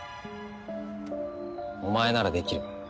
お前ならできる。